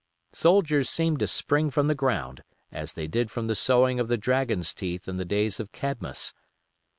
Soldiers seemed to spring from the ground, as they did from the sowing of the dragon's teeth in the days of Cadmus.